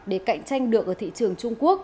để cạnh tranh được ở thị trường trung quốc